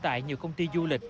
tại nhiều công ty du lịch